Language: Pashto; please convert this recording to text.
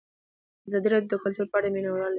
ازادي راډیو د کلتور په اړه د مینه والو لیکونه لوستي.